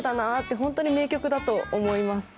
本当に名曲だと思います。